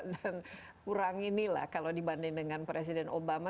dan kurang inilah kalau dibanding dengan presiden obama